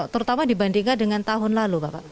terutama dibandingkan dengan tahun lalu pak pak